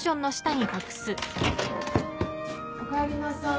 おかえりなさい。